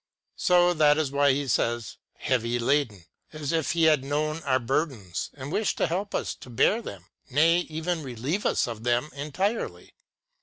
So that is why He says " heavy laden," as if He had known our burdens, and wished to help us to bear them, nay, even relieve us of them entirely.